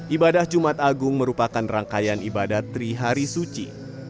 ibadah jumat agung merupakan rangkaian ibadah trihari suci